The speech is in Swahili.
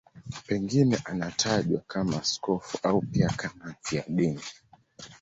Pengine anatajwa kama askofu au pia kama mfiadini.